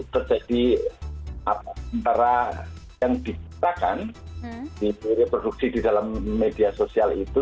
terjadi antara yang diciptakan di reproduksi di dalam media sosial itu